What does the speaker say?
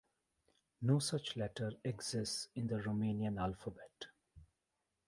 No such letter exists in the Romanian alphabet.